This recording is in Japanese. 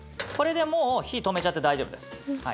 これでもう火止めちゃって大丈夫です。